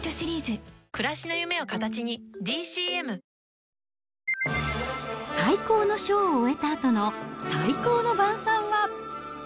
まあ、最高のショーを終えたあとの最高の晩さんは。